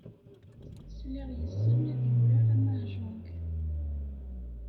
Sliɣ yessen ad yurar amahjong.